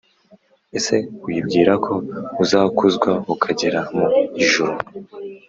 ese wibwira ko uzakuzwa ukagera mu ijuru